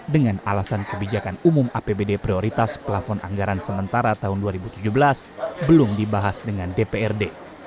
dengan alasan kebijakan umum apbd prioritas plafon anggaran sementara tahun dua ribu tujuh belas belum dibahas dengan dprd